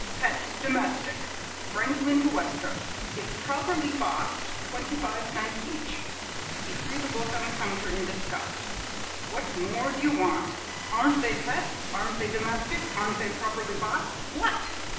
'Pets, domestic, Franklin to Westcote, if properly boxed, twenty five cents each.'" He threw the book on the counter in disgust. "What more do you want? Aren't they pets? Aren't they domestic? Aren't they properly boxed? What?"